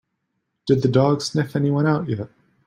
Did the dog sniff anyone out yet?